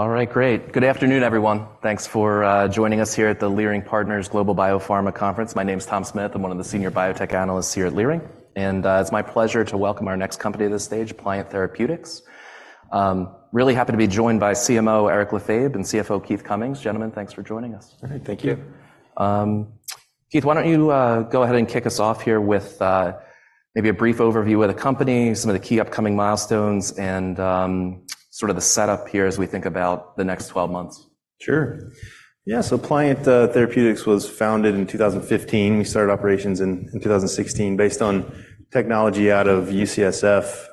All right, great. Good afternoon, everyone. Thanks for joining us here at the Leerink Partners Global BioPharma Conference. My name is Tom Smith. I'm one of the senior biotech analysts here at Leerink, and it's my pleasure to welcome our next company to the stage, Pliant Therapeutics. Really happy to be joined by CMO Éric Lefebvre and CFO Keith Cummings. Gentlemen, thanks for joining us. Thank you. Thank you. Keith, why don't you go ahead and kick us off here with maybe a brief overview of the company, some of the key upcoming milestones, and sort of the setup here as we think about the next 12 months? Sure. Yeah, so Pliant Therapeutics was founded in 2015. We started operations in 2016, based on technology out of UCSF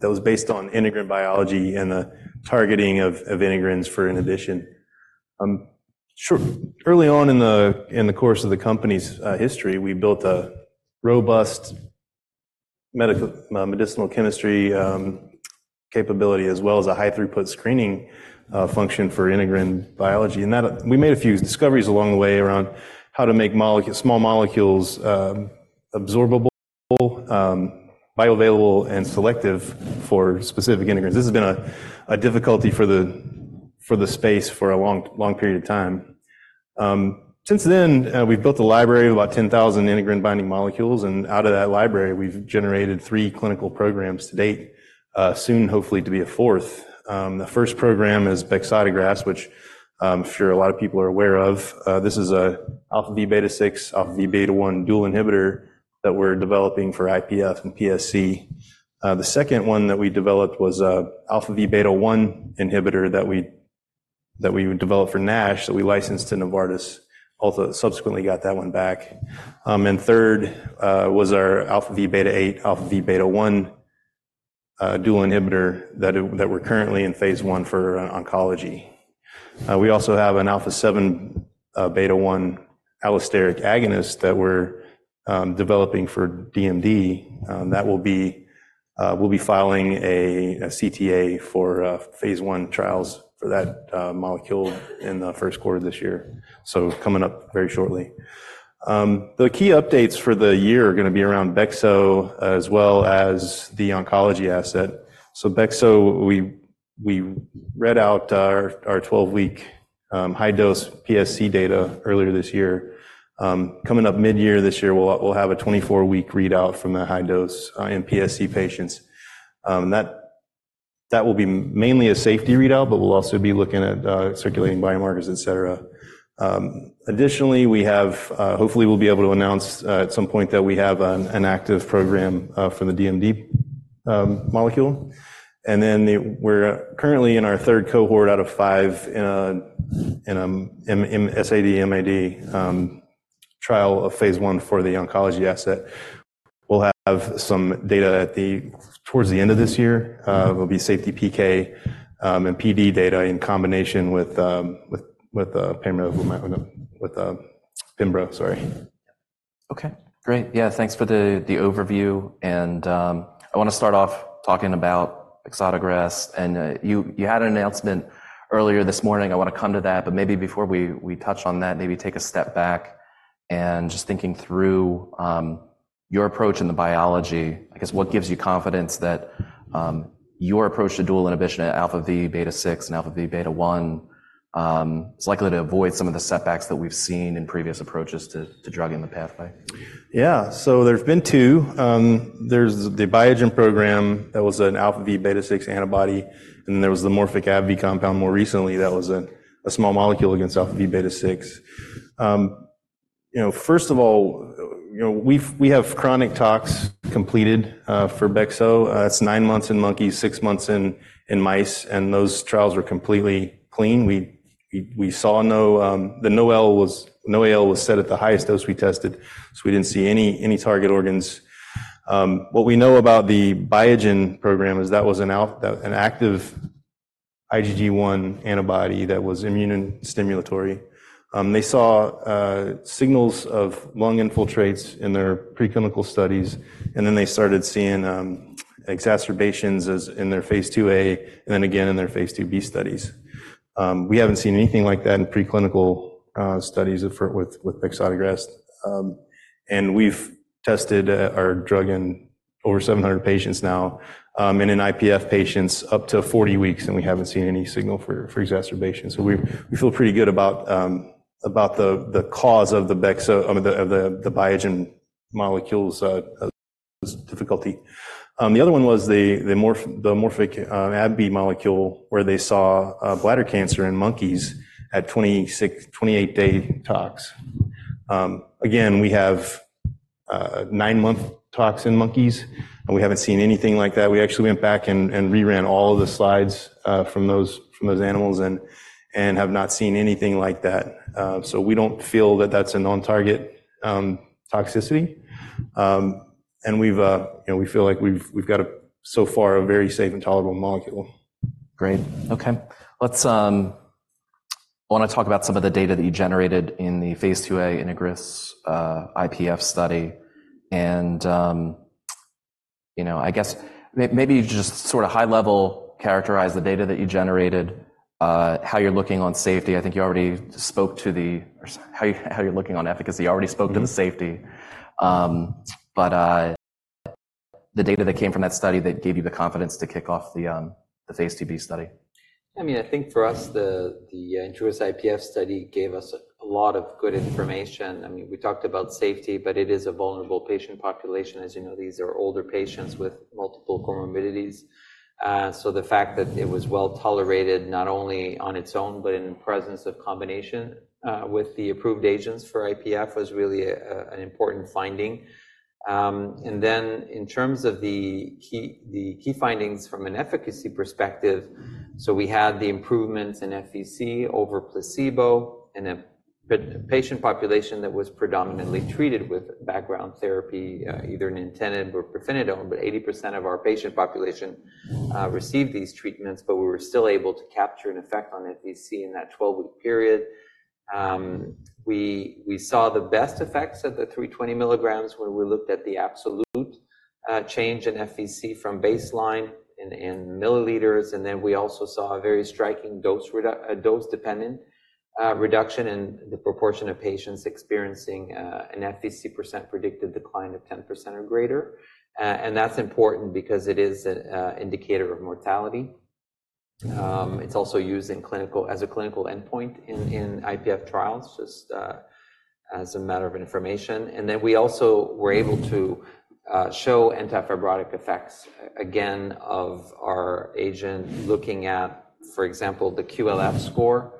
that was based on integrin biology and the targeting of integrins for inhibition. Sure, early on in the course of the company's history, we built a robust medicinal chemistry capability, as well as a high-throughput screening function for integrin biology. And that. We made a few discoveries along the way around how to make small molecules absorbable, bioavailable, and selective for specific integrins. This has been a difficulty for the space for a long, long period of time. Since then, we've built a library of about 10,000 integrin binding molecules, and out of that library, we've generated three clinical programs to date, soon, hopefully, to be a fourth. The first program is bexotegrast, which, I'm sure a lot of people are aware of. This is an alpha v beta 6, alpha v beta 1 dual inhibitor that we're developing for IPF and PSC. The second one that we developed was an alpha v beta 1 inhibitor that we, that we developed for NASH, that we licensed to Novartis, also subsequently got that one back. And third was our alpha v beta 8, alpha v beta 1 dual inhibitor that, that we're currently in phase I for, oncology. We also have an alpha 7 beta 1 allosteric agonist that we're developing for DMD. That will be, we'll be filing a CTA for phase I trials for that molecule in the first quarter of this year, so coming up very shortly. The key updates for the year are gonna be around bexotegrast as well as the oncology asset. So bexotegrast, we read out our 12-week high-dose PSC data earlier this year. Coming up mid-year, this year, we'll have a 24-week readout from the high dose in PSC patients. That will be mainly a safety readout, but we'll also be looking at circulating biomarkers, et cetera. Additionally, we have, hopefully, we'll be able to announce at some point that we have an active program for the DMD molecule. And then we're currently in our third cohort out of five in a SAD/MAD trial of phase I for the oncology asset. We'll have some data towards the end of this year. It will be safety, PK, and PD data in combination with pembrolizumab. Okay, great. Yeah, thanks for the overview, and I want to start off talking about bexotegrast. You had an announcement earlier this morning. I want to come to that, but maybe before we touch on that, maybe take a step back and just thinking through your approach in the biology, I guess, what gives you confidence that your approach to dual inhibition at alpha v beta 6, and alpha v beta 1 is likely to avoid some of the setbacks that we've seen in previous approaches to drug in the pathway? Yeah, so there's been two. There's the Biogen program that was an alpha v beta 6 antibody, and there was the Morphic AbbVie compound more recently that was a small molecule against alpha v beta 6. You know, first of all, you know, we have chronic tox completed for bexotegrast. It's nine months in monkeys, six months in mice, and those trials were completely clean. We saw no, the NOEL was set at the highest dose we tested, so we didn't see any target organs. What we know about the Biogen program is that was an active IgG1 antibody that was immunostimulatory. They saw signals of lung infiltrates in their preclinical studies, and then they started seeing exacerbations in their phase II-A, and then again, in their phase II-B studies. We haven't seen anything like that in preclinical studies or with bexotegrast. And we've tested our drug in over 700 patients now, and in IPF patients up to 40 weeks, and we haven't seen any signal for exacerbation. So we feel pretty good about the cause of the, I mean, the Biogen molecule's difficulty. The other one was the Morphic-AbbVie molecule, where they saw bladder cancer in monkeys at 26- and 28-day tox. Again, we have nine month tox in monkeys, and we haven't seen anything like that. We actually went back and reran all of the slides from those animals and have not seen anything like that. So we don't feel that that's a non-target toxicity. And we've, you know, we feel like we've got a, so far, a very safe and tolerable molecule. Great. Okay, I wanna talk about some of the data that you generated in the phase II-A INTEGRIS-IPF study, and, you know, I guess maybe just sort of high level characterize the data that you generated, how you're looking on safety. I think you already spoke to the or how you, how you're looking on efficacy. You already spoke to the safety, but, the data that came from that study that gave you the confidence to kick off the, the phase II-B study? I mean, I think for us, the INTEGRIS-IPF study gave us a lot of good information. I mean, we talked about safety, but it is a vulnerable patient population. As you know, these are older patients with multiple comorbidities. So the fact that it was well-tolerated, not only on its own, but in presence of combination with the approved agents for IPF, was really an important finding. And then in terms of the key findings from an efficacy perspective, so we had the improvements in FVC over placebo in a patient population that was predominantly treated with background therapy, either nintedanib or pirfenidone. But 80% of our patient population received these treatments, but we were still able to capture an effect on FVC in that 12-week period. We saw the best effects of the 320 mg when we looked at the absolute change in FVC from baseline in milliliters. And then we also saw a very striking dose-dependent reduction in the proportion of patients experiencing an FVC percent predicted decline of 10% or greater. And that's important because it is an indicator of mortality. It's also used as a clinical endpoint in IPF trials, just as a matter of information. And then we also were able to show antifibrotic effects, again, of our agent. Looking at, for example, the QLF score,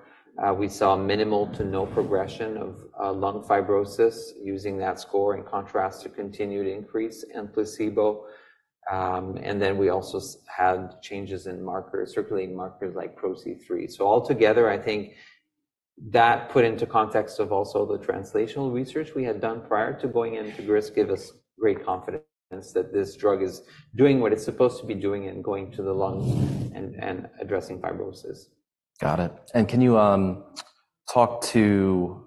we saw minimal to no progression of lung fibrosis using that score, in contrast to continued increase in placebo. And then we also had changes in markers, circulating markers like PRO-C3. So altogether, I think that, put into context of also the translational research we had done prior to going into INTEGRIS, gave us great confidence that this drug is doing what it's supposed to be doing and going to the lungs and addressing fibrosis. Got it. And can you talk to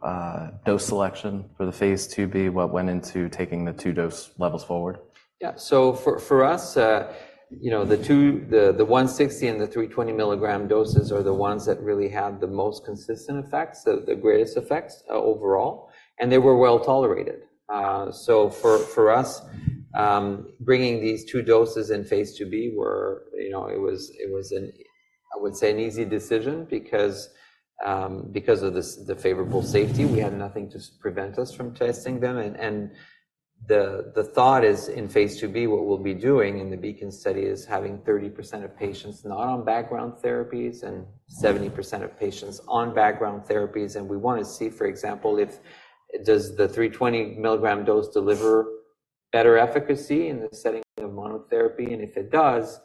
dose selection for the phase II-B, what went into taking the two dose levels forward? Yeah. So for us, you know, the 160 and the 320 mg doses are the ones that really had the most consistent effects, so the greatest effects, overall, and they were well-tolerated. So for us, bringing these two doses in phase II-B were, you know, it was an, I would say, an easy decision because of the favorable safety. We had nothing to prevent us from testing them. The thought is in phase II-B, what we'll be doing in the BEACON study is having 30% of patients not on background therapies and 70% of patients on background therapies. We want to see, for example, if does the 320 mg dose deliver better efficacy in the setting of monotherapy? And if it does,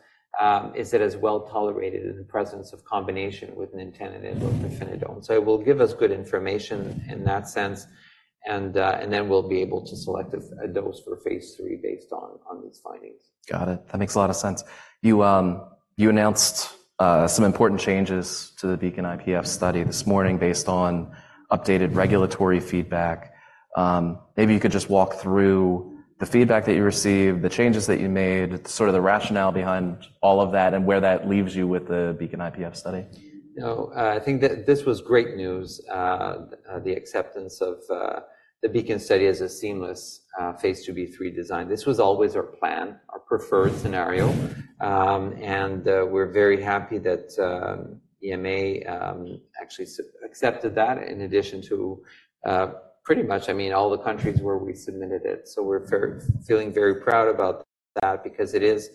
is it as well-tolerated in the presence of combination with nintedanib or pirfenidone? So it will give us good information in that sense, and then we'll be able to select a dose for phase III based on these findings. Got it. That makes a lot of sense. You announced some important changes to the BEACON-IPF study this morning based on updated regulatory feedback. Maybe you could just walk through the feedback that you received, the changes that you made, sort of the rationale behind all of that, and where that leaves you with the BEACON-IPF study. You know, I think this was great news, the acceptance of the BEACON study as a seamless phase II-B/III design. This was always our plan, our preferred scenario. And we're very happy that EMA actually accepted that, in addition to pretty much, I mean, all the countries where we submitted it. So we're feeling very proud about that because it is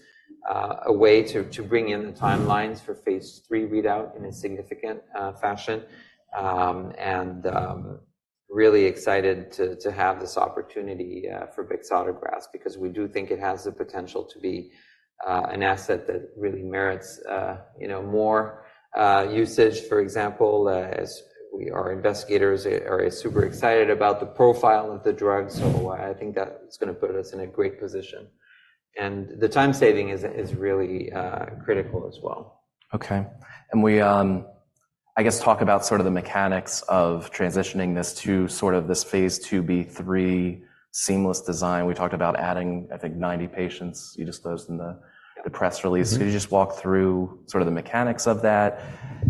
a way to bring in the timelines for phase III readout in a significant fashion. And really excited to have this opportunity for bexotegrast, because we do think it has the potential to be an asset that really merits, you know, more usage. For example, our investigators are super excited about the profile of the drug. I think that is going to put us in a great position, and the time saving is really critical as well. Okay. And we, I guess, talk about sort of the mechanics of transitioning this to sort of this phase II-B/III seamless design. We talked about adding, I think, 90 patients you disclosed in the press release. Could you just walk through sort of the mechanics of that,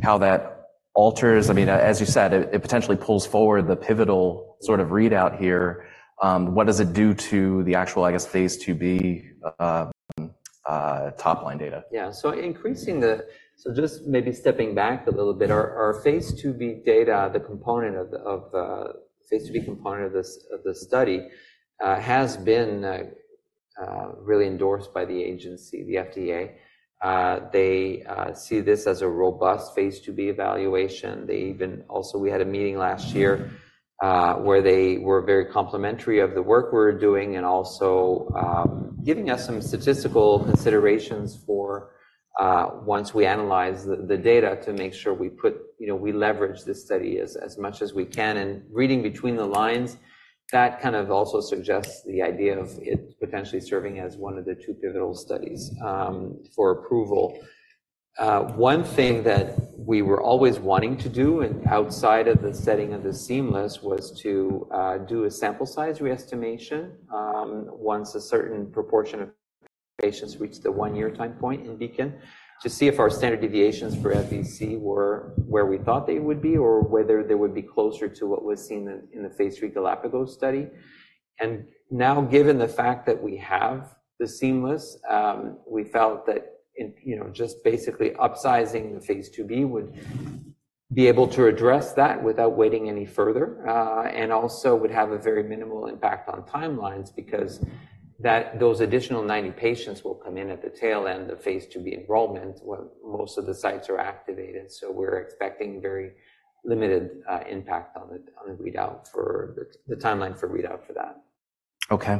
how that alters. I mean, as you said, it potentially pulls forward the pivotal sort of readout here. What does it do to the actual, I guess, phase II-B, top-line data? Yeah. So just maybe stepping back a little bit, our phase II-B data, the component of the phase II-B component of this study has been really endorsed by the agency, the FDA. They see this as a robust phase II-B evaluation. Also, we had a meeting last year where they were very complimentary of the work we're doing and also giving us some statistical considerations for once we analyze the data, to make sure we put, you know, we leverage this study as much as we can. And reading between the lines, that kind of also suggests the idea of it potentially serving as one of the two pivotal studies for approval. One thing that we were always wanting to do, and outside of the setting of the seamless, was to do a sample size re-estimation, once a certain proportion of patients reach the one year time point in BEACON to see if our standard deviations for FVC were where we thought they would be, or whether they would be closer to what was seen in the phase III Galapagos study. And now, given the fact that we have the seamless, we felt that in, you know, just basically upsizing the phase II-B would be able to address that without waiting any further. And also would have a very minimal impact on timelines because that those additional 90 patients will come in at the tail end of phase II-B enrollment, when most of the sites are activated. So we're expecting very limited impact on the readout for the timeline for readout for that. Okay.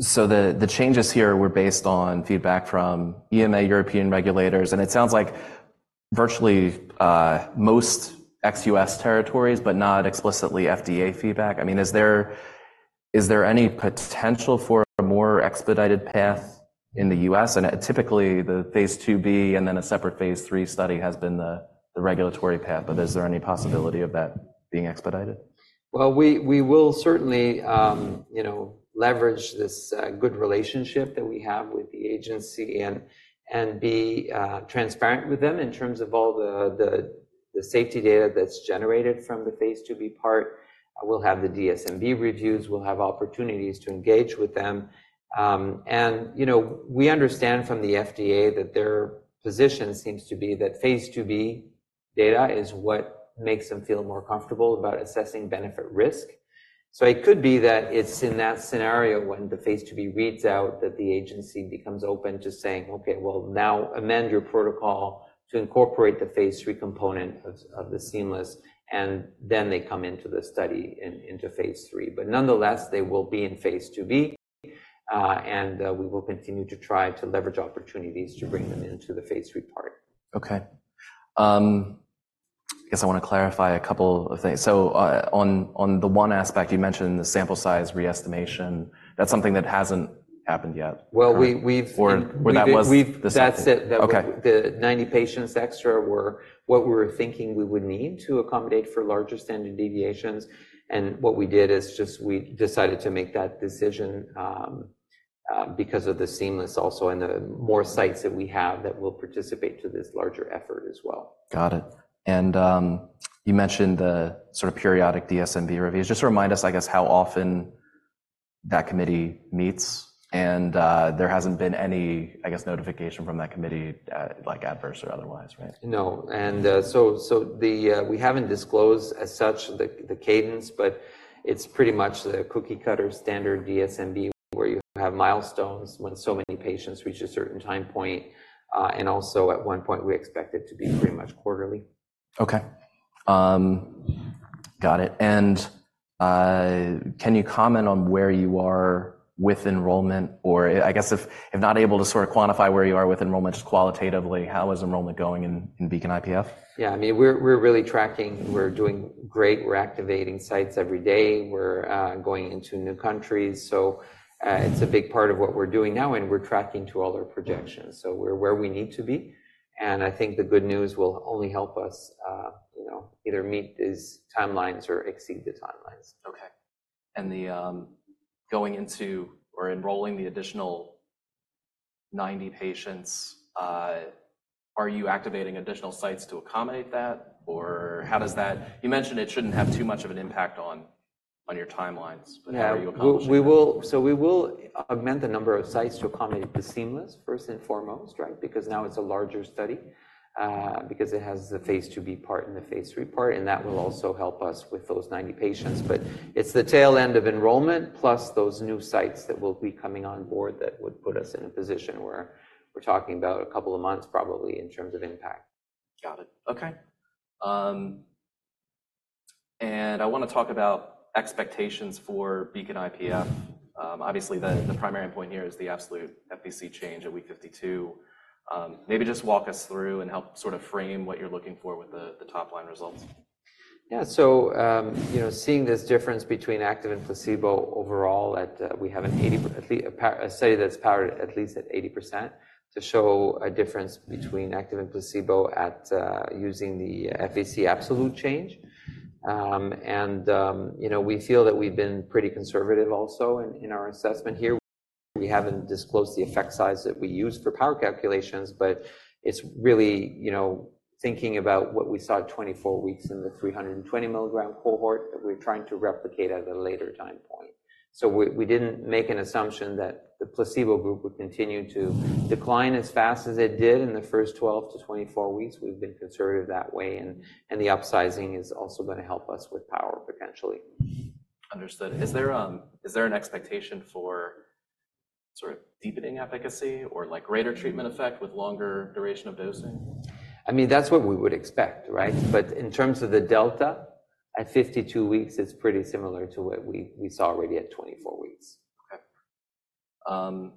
So the changes here were based on feedback from EMA, European regulators, and it sounds like virtually most ex-U.S. territories, but not explicitly FDA feedback. I mean, is there any potential for a more expedited path in the U.S? And typically, the phase II-B and then a separate phase III study has been the regulatory path, but is there any possibility of that being expedited? Well, we will certainly, you know, leverage this good relationship that we have with the agency and be transparent with them in terms of all the safety data that's generated from the phase II-B part. We'll have the DSMB reviews. We'll have opportunities to engage with them. And, you know, we understand from the FDA that their position seems to be that phase II-B data is what makes them feel more comfortable about assessing benefit-risk. So it could be that it's in that scenario, when the phase II-B reads out, that the agency becomes open to saying: "Okay, well, now amend your protocol to incorporate the phase III component of the seamless," and then they come into the study into phase III. But nonetheless, they will be in phase II-B, and we will continue to try to leverage opportunities to bring them into the phase III part. Okay. I guess I want to clarify a couple of things. So, on the one aspect, you mentioned the sample size re-estimation, that's something that hasn't happened yet? Well, we've- Or where that was- We've. That's it. Okay. The 90 patients extra were what we were thinking we would need to accommodate for larger standard deviations, and what we did is just we decided to make that decision because of the seamless also, and the more sites that we have that will participate to this larger effort as well. Got it. And you mentioned the sort of periodic DSMB reviews. Just remind us, I guess, how often that committee meets, and there hasn't been any, I guess, notification from that committee, like adverse or otherwise, right? No. And so we haven't disclosed as such the cadence, but it's pretty much the cookie-cutter standard DSMB, where you have milestones when so many patients reach a certain time point, and also at one point, we expect it to be very much quarterly. Okay. Got it. And, can you comment on where you are with enrollment? Or I guess, if not able to sort of quantify where you are with enrollment, just qualitatively, how is enrollment going in BEACON-IPF? Yeah, I mean, we're really tracking. We're doing great. We're activating sites every day. We're going into new countries. So, it's a big part of what we're doing now, and we're tracking to all our projections. So we're where we need to be, and I think the good news will only help us, you know, either meet these timelines or exceed the timelines. Okay. And going into or enrolling the additional 90 patients, are you activating additional sites to accommodate that, or how does that-- You mentioned it shouldn't have too much of an impact on your timelines. Yeah. But how are you accomplishing that? We will augment the number of sites to accommodate the seamless, first and foremost, right? Because now it's a larger study, because it has the phase II-B part and the phase III part, and that will also help us with those 90 patients. But it's the tail end of enrollment, plus those new sites that will be coming on board that would put us in a position where we're talking about a couple of months, probably, in terms of impact. Got it. Okay. I want to talk about expectations for BEACON IPF. Obviously, the primary endpoint here is the absolute FVC change at week 52. Maybe just walk us through and help sort of frame what you're looking for with the top-line results. Yeah. So, you know, seeing this difference between active and placebo overall, we have a study that's powered at least at 80% to show a difference between active and placebo at, using the FVC absolute change. And, you know, we feel that we've been pretty conservative also in our assessment here. We haven't disclosed the effect size that we used for power calculations, but it's really, you know, thinking about what we saw at 24 weeks in the 320 mg cohort, that we're trying to replicate at a later time point. So we didn't make an assumption that the placebo group would continue to decline as fast as it did in the first 12-24 weeks. We've been conservative that way, and the upsizing is also gonna help us with power, potentially. Understood. Is there, is there an expectation for sort of deepening efficacy or, like, greater treatment effect with longer duration of dosing? I mean, that's what we would expect, right? But in terms of the delta, at 52 weeks, it's pretty similar to what we saw already at 24 weeks. Okay.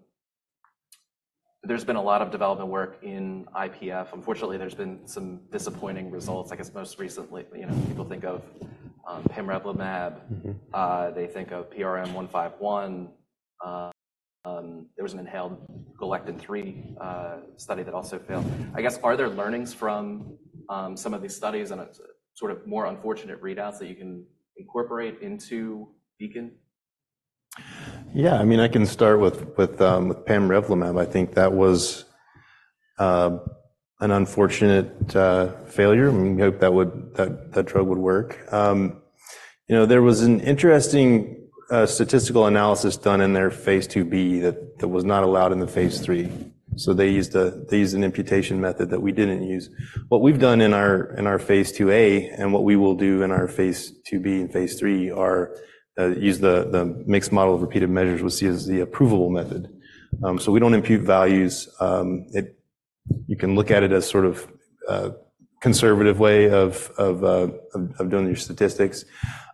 There's been a lot of development work in IPF. Unfortunately, there's been some disappointing results. I guess, most recently, you know, people think of pamrevlumab. They think of PRM-151. There was an inhaled galectin-3 study that also failed. I guess, are there learnings from some of these studies and it's sort of more unfortunate readouts that you can incorporate into BEACON? Yeah, I mean, I can start with pamrevlumab. I think that was an unfortunate failure. We hoped that would—that drug would work. You know, there was an interesting statistical analysis done in their phase II-B that was not allowed in the phase III. So they used a—they used an imputation method that we didn't use. What we've done in our phase II-A and what we will do in our phase II-B and phase III are use the mixed model of repeated measures—we'll see as the approvable method. So we don't impute values. It—you can look at it as sort of a conservative way of doing your statistics.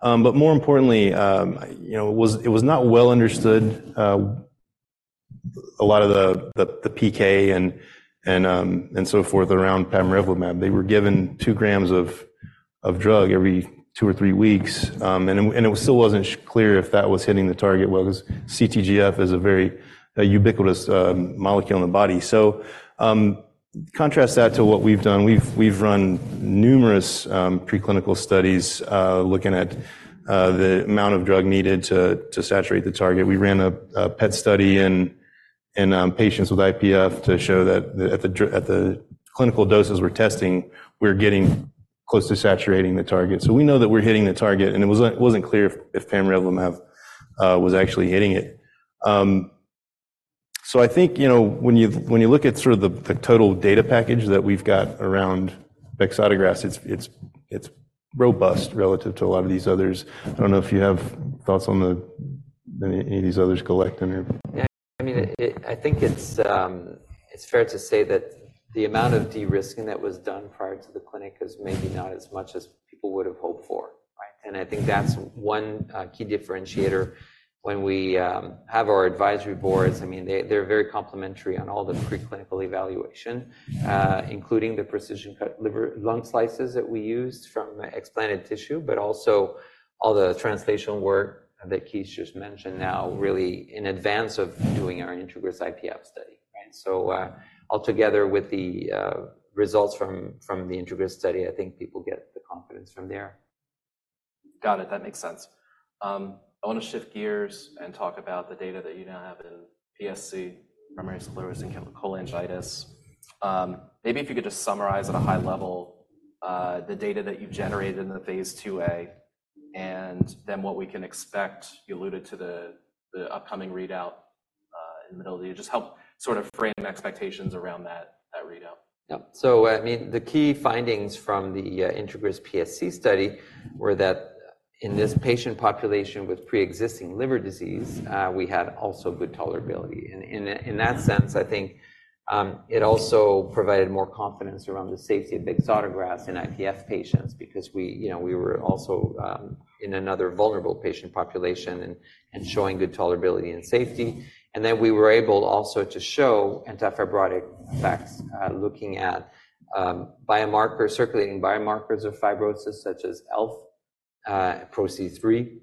But more importantly, you know, it was not well understood a lot of the PK and so forth around pamrevlumab. They were given two grams of drug every two or three weeks, and it still wasn't clear if that was hitting the target well, 'cause CTGF is a very ubiquitous molecule in the body. So, contrast that to what we've done. We've run numerous preclinical studies looking at the amount of drug needed to saturate the target. We ran a PET study in patients with IPF to show that at the clinical doses we're testing, we're getting close to saturating the target. So we know that we're hitting the target, and it wasn't clear if pamrevlumab was actually hitting it. So I think, you know, when you look at sort of the total data package that we've got around bexotegrast, it's robust relative to a lot of these others. I don't know if you have thoughts on any of these others, colleague, on here? Yeah. I mean, I think it's fair to say that the amount of de-risking that was done prior to the clinic is maybe not as much as people would have hoped for, right? And I think that's one key differentiator when we have our advisory boards. I mean, they're very complementary on all the preclinical evaluation, including the precision-cut lung slices that we used from explanted tissue, but also all the translational work that Keith just mentioned now, really in advance of doing our INTEGRIS-IPF study, right? So, altogether, with the results from the INTEGRIS-IPF study, I think people get the confidence from there. Got it. That makes sense. I wanna shift gears and talk about the data that you now have in PSC, primary sclerosing cholangitis. Maybe if you could just summarize at a high level, the data that you generated in the phase II-A, and then what we can expect. You alluded to the upcoming readout in the middle of the year. Just help sort of frame expectations around that readout. Yep. So, I mean, the key findings from the INTEGRIS-PSC study were that in this patient population with preexisting liver disease, we had also good tolerability. In that sense, I think, it also provided more confidence around the safety of bexotegrast in IPF patients because we, you know, we were also in another vulnerable patient population and showing good tolerability and safety. And then we were able also to show antifibrotic effects, looking at biomarkers, circulating biomarkers of fibrosis, such as ELF, PRO-C3.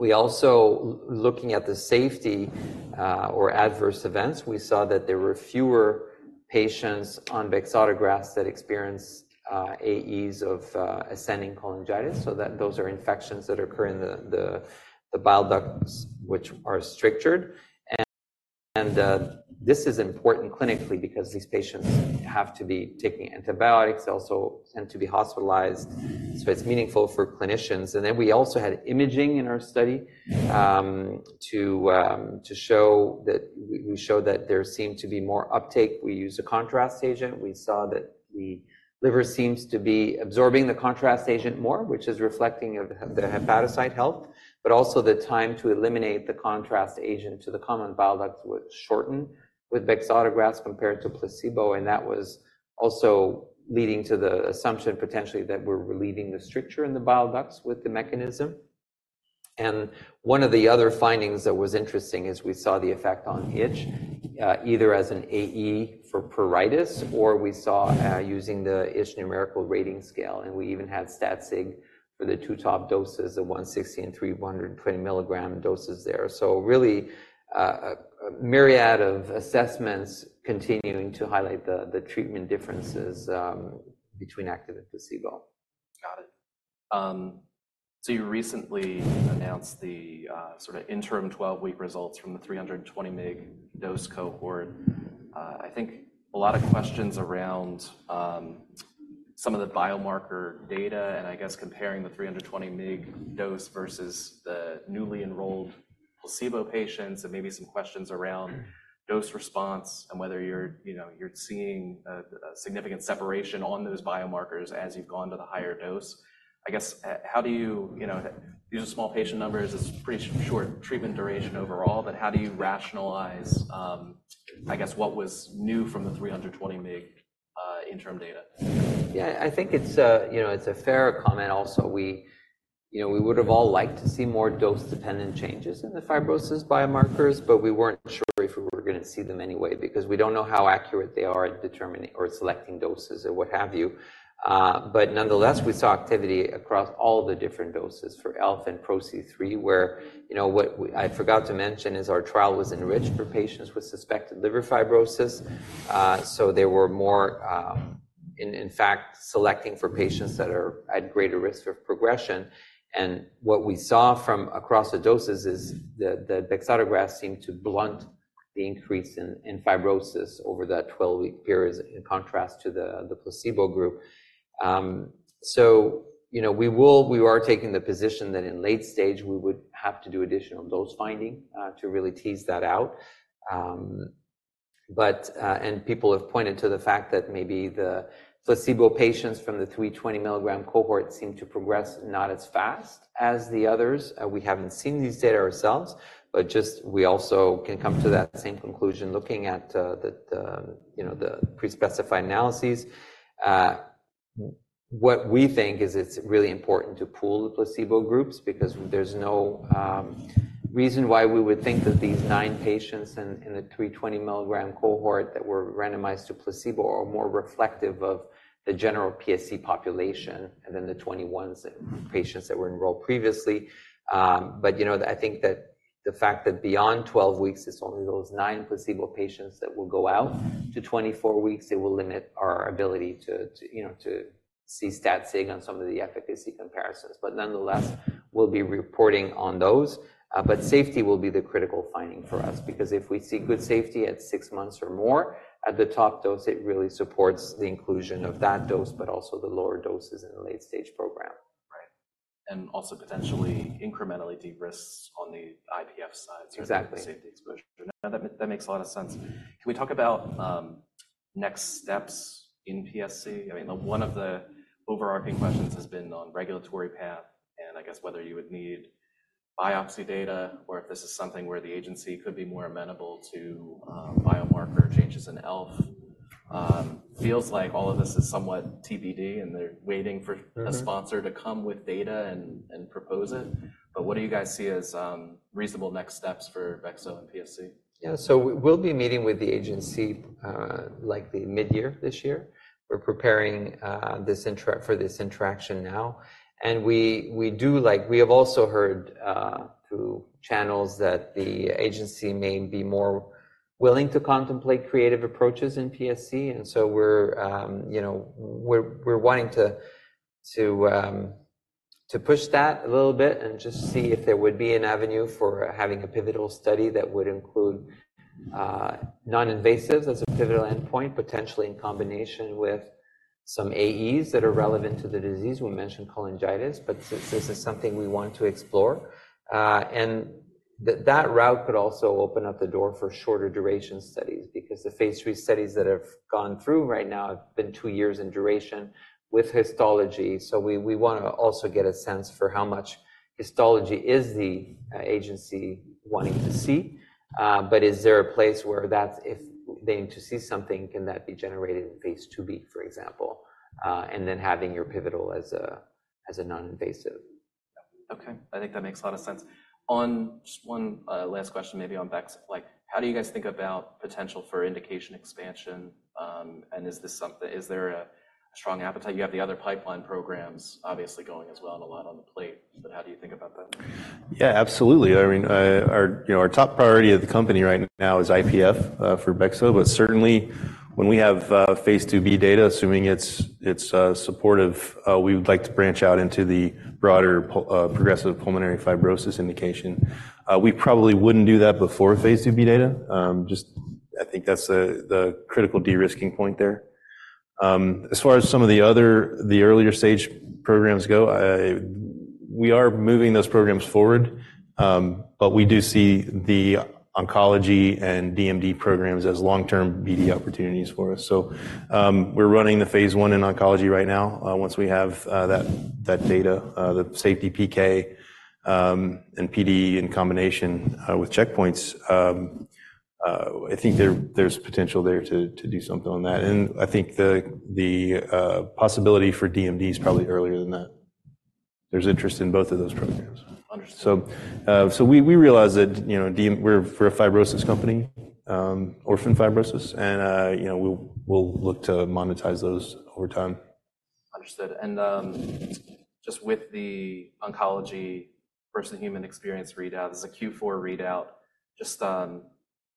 We also, looking at the safety, or adverse events, we saw that there were fewer patients on bexotegrast that experienced AEs of ascending cholangitis, so that those are infections that occur in the bile ducts, which are strictured. This is important clinically because these patients have to be taking antibiotics, also tend to be hospitalized, so it's meaningful for clinicians. And then we also had imaging in our study to show that we showed that there seemed to be more uptake. We used a contrast agent. We saw that the liver seems to be absorbing the contrast agent more, which is reflecting of the hepatocyte health, but also the time to eliminate the contrast agent to the common bile duct was shortened with bexotegrast compared to placebo, and that was also leading to the assumption, potentially, that we're relieving the stricture in the bile ducts with the mechanism. One of the other findings that was interesting is we saw the effect on itch, either as an AE for pruritus, or we saw using the itch numerical rating scale, and we even had stat sig for the two top doses, the 160 and 320 mg doses there. So really, a myriad of assessments continuing to highlight the treatment differences between active and placebo. Got it. So you recently announced the sort of interim 12-week results from the 320 mg dose cohort. I think a lot of questions around some of the biomarker data, and I guess comparing the 320 mg dose versus the newly enrolled placebo patients, and maybe some questions around dose response and whether you're, you know, you're seeing a significant separation on those biomarkers as you've gone to the higher dose. I guess how do you, you know, these are small patient numbers. It's pretty short treatment duration overall, but how do you rationalize, I guess, what was new from the 320 mg interim data? Yeah, I think it's, you know, it's a fair comment also. We, you know, we would have all liked to see more dose-dependent changes in the fibrosis biomarkers, but we weren't sure if we were gonna see them anyway because we don't know how accurate they are at determining or selecting doses or what have you. But nonetheless, we saw activity across all the different doses for ELF and PRO-C3, where, you know, I forgot to mention is our trial was enriched for patients with suspected liver fibrosis. So there were more, in fact, selecting for patients that are at greater risk for progression. And what we saw from across the doses is that bexotegrast seemed to blunt the increase in fibrosis over that 12-week period, in contrast to the placebo group. So, you know, we are taking the position that in late stage, we would have to do additional dose finding to really tease that out. And people have pointed to the fact that maybe the placebo patients from the 320 mg cohort seem to progress not as fast as the others. We haven't seen these data ourselves, but just we also can come to that same conclusion looking at, you know, the pre-specified analyses. What we think is it's really important to pool the placebo groups because there's no reason why we would think that these nine patients in the 320 mg cohort that were randomized to placebo are more reflective of the general PSC population, and then the 21 patients that were enrolled previously. But, you know, I think that the fact that beyond 12 weeks, it's only those nine placebo patients that will go out to 24 weeks, it will limit our ability to, you know, to see stat sig on some of the efficacy comparisons. But nonetheless, we'll be reporting on those. But safety will be the critical finding for us because if we see good safety at six months or more, at the top dose, it really supports the inclusion of that dose, but also the lower doses in the late-stage program. Right. And also potentially incrementally de-risks on the IPF side- Exactly. -through the safety exposure. Now, that makes a lot of sense. Can we talk about next steps in PSC? I mean, one of the overarching questions has been on regulatory path, and I guess whether you would need biopsy data or if this is something where the agency could be more amenable to biomarker changes in ELF. Feels like all of this is somewhat TBD, and they're waiting for a sponsor to come with data and, and propose it. But what do you guys see as, reasonable next steps for bexo and PSC? Yeah, so we'll be meeting with the agency likely mid-year this year. We're preparing for this interaction now, and we do like. We have also heard through channels that the agency may be more willing to contemplate creative approaches in PSC, and so we're, you know, we're wanting to push that a little bit and just see if there would be an avenue for having a pivotal study that would include non-invasive as a pivotal endpoint, potentially in combination with some AEs that are relevant to the disease. We mentioned cholangitis, but this is something we want to explore. And that route could also open up the door for shorter duration studies because the phase III-A studies that have gone through right now have been two years in duration with histology. So we, we wanna also get a sense for how much histology is the agency wanting to see. But is there a place where that's if they need to see something, can that be generated in phase II-B, for example, and then having your pivotal as a, as a non-invasive? Okay, I think that makes a lot of sense. On just one last question, maybe on Bex, like, how do you guys think about potential for indication expansion? And is there a strong appetite? You have the other pipeline programs obviously going as well and a lot on the plate, but how do you think about that? Yeah, absolutely. I mean, our, you know, our top priority of the company right now is IPF for bexo, but certainly when we have phase II-B data, assuming it's supportive, we would like to branch out into the broader progressive pulmonary fibrosis indication. We probably wouldn't do that before phase II-B data. Just I think that's the critical de-risking point there. As far as some of the other earlier stage programs go, we are moving those programs forward, but we do see the oncology and DMD programs as long-term BD opportunities for us. So, we're running the phase I in oncology right now. Once we have that data, the safety PK, and PD in combination with checkpoints, I think there's potential there to do something on that. And I think the possibility for DMD is probably earlier than that. There's interest in both of those programs. Understood. So we realize that, you know, DMD, we're a fibrosis company, orphan fibrosis, and, you know, we'll look to monetize those over time.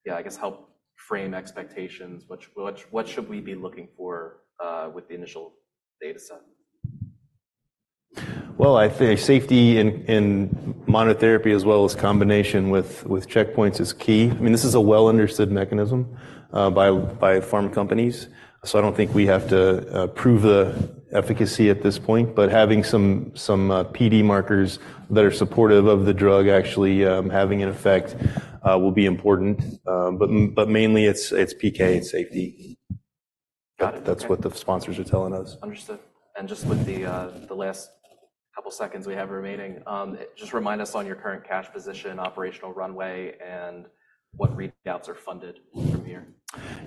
Understood. And just with the oncology first, the human experience readout. There's a Q4 readout, just I guess, help frame expectations. What, what, what should we be looking for with the initial data set? Well, I think safety in monotherapy as well as combination with checkpoints is key. I mean, this is a well-understood mechanism by pharma companies, so I don't think we have to prove the efficacy at this point. But having some PD markers that are supportive of the drug actually having an effect will be important. But mainly, it's PK and safety. Got it. That's what the sponsors are telling us. Understood. And just with the last couple of seconds we have remaining, just remind us on your current cash position, operational runway, and what readouts are funded from here?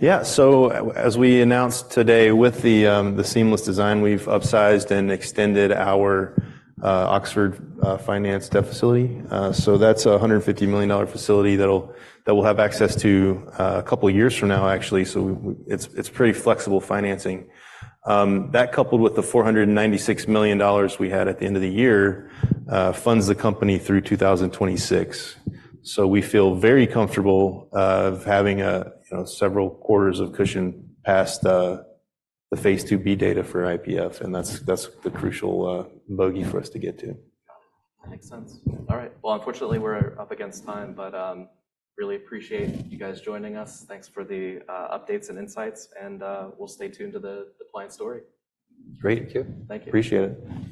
Yeah. So as we announced today, with the seamless design, we've upsized and extended our Oxford Finance debt facility. So that's a $150 million facility that'll we'll have access to a couple of years from now, actually, so it's pretty flexible financing. That, coupled with the $496 million we had at the end of the year, funds the company through 2026. So we feel very comfortable of having, you know, several quarters of cushion past the phase II-B data for IPF, and that's the crucial bogey for us to get to. Got it. That makes sense. All right. Well, unfortunately, we're up against time, but really appreciate you guys joining us. Thanks for the updates and insights, and we'll stay tuned to the Pliant story. Great. Thank you. Thank you. Appreciate it.